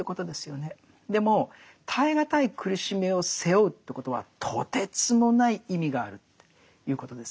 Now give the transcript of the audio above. でも耐え難い苦しみを背負うということはとてつもない意味があるということですね。